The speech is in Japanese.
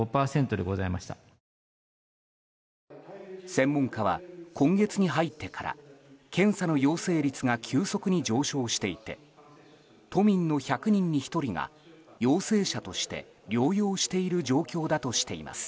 専門家は、今月に入ってから検査の陽性率が急速に上昇していて都民の１００人に１人が陽性者として療養している状況だとしています。